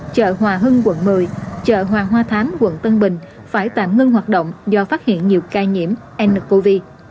chợ hòa hưng quận một mươi chợ hoàng hoa thám quận tân bình phải tạm ngưng hoạt động do phát hiện nhiều ca nhiễm ncov